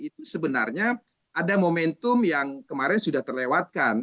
itu sebenarnya ada momentum yang kemarin sudah terlewatkan